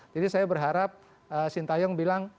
jadi saya berharap sintayong bilang